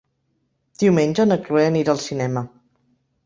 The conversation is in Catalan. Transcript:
Diumenge na Chloé anirà al cinema.